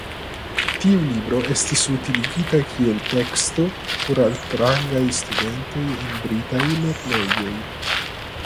Tiu libro estis utiligita kiel teksto por altrangaj studentoj en britaj lernejoj.